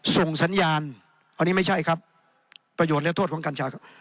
ส่งสัญญาณอันนี้ไม่ใช่ครับประโยชน์และโทษของกัญชาครับ